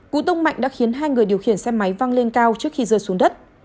cú tông mạnh đã khiến hai người điều khiển xe máy văng lên cao trước khi rơi xuống đất